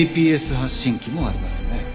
ＧＰＳ発信機もありますね。